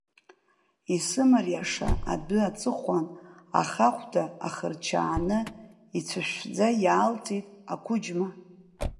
Исымариаша адәы аҵыхәан, ахахәда ахырчааны, ицәышәшәӡа иаалҵит ақәыџьма.